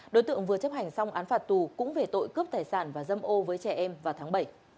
đối tượng vừa chấp hành xong án phạt tù cũng về tội cướp tài sản và dâm ô với trẻ em vào tháng bảy